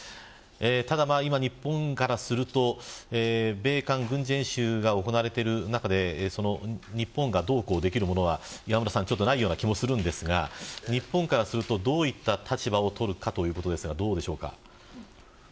今、日本からすると米韓の軍事演習が行われている中で日本が、どうこうできるものはないような気もしますが日本からするとどのような立場を取るかということですがどうですか。